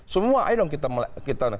semua ayo dong kita